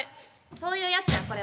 そういうやつやこれは。